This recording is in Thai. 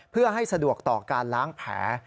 เพื่อให้สะดวกต่อการล้างแผล